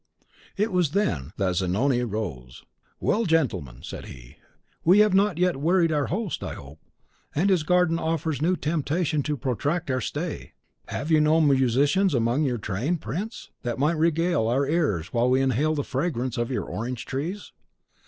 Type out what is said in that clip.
It was then that Zanoni rose. "Well, gentlemen," said he, "we have not yet wearied our host, I hope; and his garden offers a new temptation to protract our stay. Have you no musicians among your train, prince, that might regale our ears while we inhale the fragrance of your orange trees?"